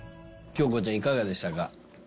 京子ちゃんいかがでしたか？